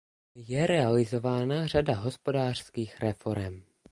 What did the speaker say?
Je realizována řada hospodářských reforem.